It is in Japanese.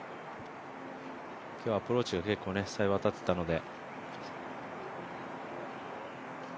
今日はアプローチが結構さえ渡っていたので。